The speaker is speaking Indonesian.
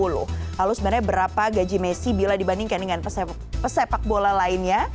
lalu sebenarnya berapa gaji messi bila dibandingkan dengan pesepak bola lainnya